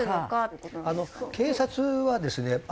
警察はですね